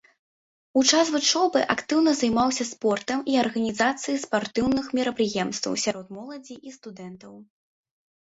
У час вучобы актыўна займаўся спортам і арганізацыяй спартыўных мерапрыемстваў сярод моладзі і студэнтаў.